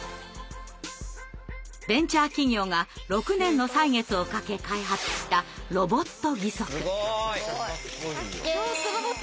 ベンチャー企業が６年の歳月をかけ開発したすごい！